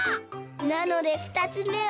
なのでふたつめは。